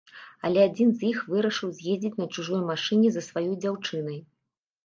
Але адзін з іх вырашыў з'ездзіць на чужой машыне за сваёй дзяўчынай.